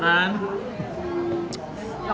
aku yang nyerah